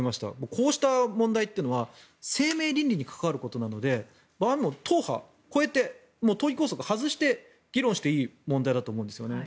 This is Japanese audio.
こうした問題というのは生命倫理に関わることなので党派を超えて党議拘束を外して議論していい問題だと思うんですよね。